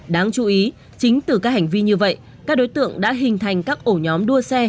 đáng chú ý chính từ các hành vi như vậy các đối tượng đã hình thành các ổ nhóm đua xe